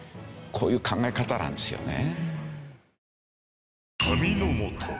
こういう考え方なんですよね。